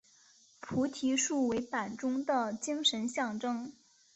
菩提树为板中的精神象征。